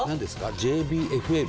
ＪＢＦＬ？